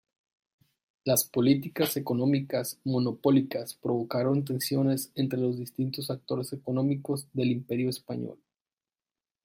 Las políticas económicas monopólicas provocaron tensiones entre los distintos actores económicos del Imperio Español.